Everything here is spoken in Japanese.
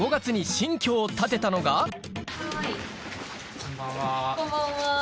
こんばんは。